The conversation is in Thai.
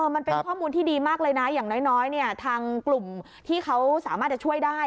มันเป็นข้อมูลที่ดีมากเลยนะอย่างน้อยทางกลุ่มที่เขาสามารถจะช่วยได้